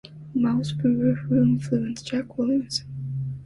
Miles Breuer, who influenced Jack Williamson.